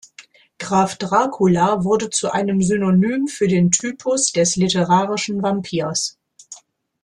Graf Dracula wurde zu einem Synonym für den Typus des literarischen Vampirs.